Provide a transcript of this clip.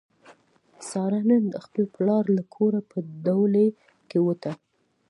ساره نن د خپل پلار له کوره په ډولۍ کې ووته.